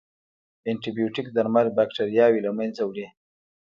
انټيبیوټیک درمل باکتریاوې له منځه وړي.